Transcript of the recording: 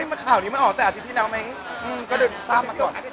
เฮ้ยข่าวนี้มันออกแต่อาทิตย์ที่แล้วไหม